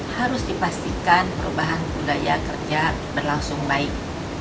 harus dipastikan perubahan budaya kerja berlangsung baik